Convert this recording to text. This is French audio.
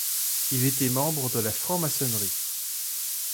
Il était membre de la franc-maçonnerie.